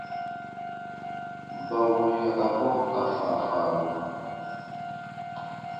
Ba wom yakamɔ ka faafaaru.